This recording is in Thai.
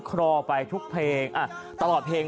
คลอไปทุกเพลง